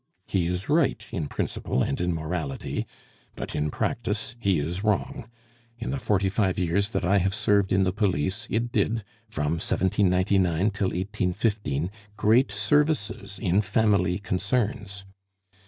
He is right in principle and in morality; but in practice he is wrong. In the forty five years that I have served in the police, it did, from 1799 till 1815, great services in family concerns.